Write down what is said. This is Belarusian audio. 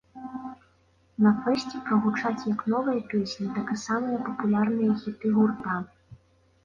На фэсце прагучаць як новыя песні, так і самыя папулярныя хіты гурта!